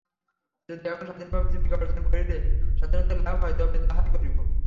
যদি এখন স্বাধীনভাবে জীবিকা অর্জন করিলে স্বাধীনতা লাভ হয়, তবে তাহাই করিব।